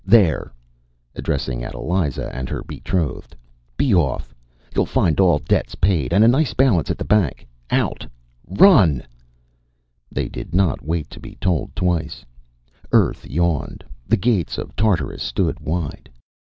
There,” addressing Adeliza and her betrothed, “be off! You’ll find all debts paid, and a nice balance at the bank. Out! Run!” They did not wait to be told twice. Earth yawned. The gates of Tartarus stood wide.